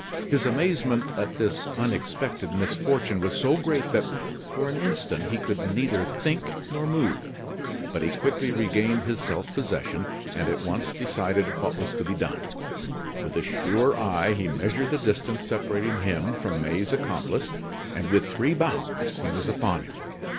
His amazement at this unexpected misfortune was so great that for, an instant he could neither think nor move. But he quickly regained his self possession, and at once decided what was to be done. With a sure eye he measured the distance separating him from May's accomplice, and with three bounds he was upon him.